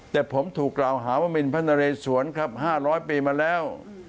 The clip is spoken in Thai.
แต่ผมถูกกล่าวหาว่ามิลภัณฑ์นเรศวรครับ๕๐๐ปีมาแล้ว